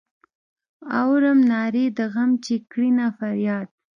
اورم نارې د غم چې کړینه فریاد.